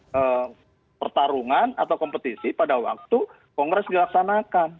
kemudian pertarungan atau kompetisi pada waktu kongres dilaksanakan